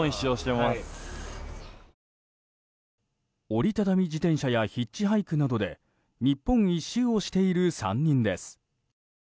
折り畳み自転車やヒッチハイクなどで日本１周をしている３人です。